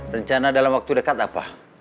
rencana dalam waktu dekat apa